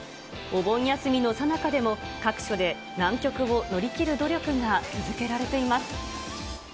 お盆休みのさなかでも、各所で難局を乗り切る努力が続けられています。